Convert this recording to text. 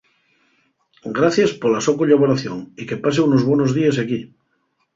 Gracies pola so collaboración y que pase unos bonos díes equí.